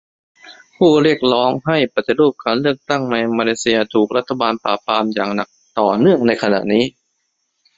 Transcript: ผู้เรียกร้องให้ปฏิรูปการเลือกตั้งในมาเลเซีย ถูกรัฐบาลปราบปรามอย่างหนักต่อเนื่องในขณะนี้